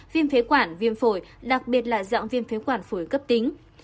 viêm phế quản viêm phổi đặc biệt là dạng viêm phế quản phổi cấp tính